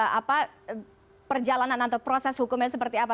sampai nanti kita akan pantau apa perjalanan atau proses hukumnya seperti apa